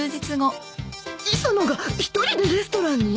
磯野が一人でレストランに？